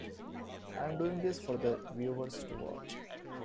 I am doing this for the viewers to watch.